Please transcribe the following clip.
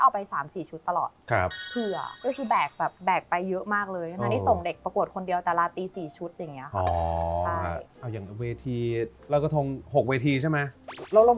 ไปอีกเวทีหนึ่งวันหนึ่งไปอีกเวทีหนึ่ง